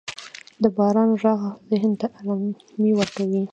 • د باران ږغ ذهن ته آرامي ورکوي.